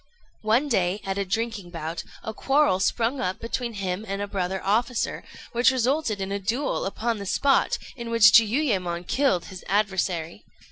One day, at a drinking bout, a quarrel sprung up between him and a brother officer, which resulted in a duel upon the spot, in which Jiuyémon killed his adversary.